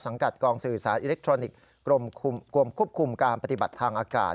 กองสื่อสารอิเล็กทรอนิกส์กรมควบคุมการปฏิบัติทางอากาศ